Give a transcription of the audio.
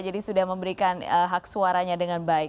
jadi sudah memberikan hak suaranya dengan baik